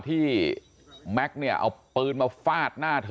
แม็กซ์เนี่ยเอาปืนมาฟาดหน้าเธอ